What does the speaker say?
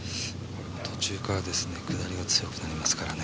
途中から下りが強くなりますからね。